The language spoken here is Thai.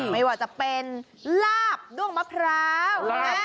ไม่ว่าจะเป็นลาบด้วงมะพร้าว